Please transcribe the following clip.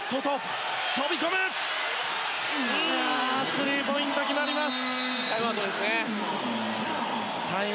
スリーポイント決まります。